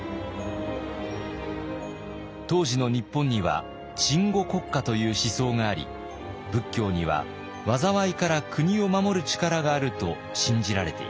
当時の日本には鎮護国家という思想があり仏教には災いから国を守る力があると信じられていました。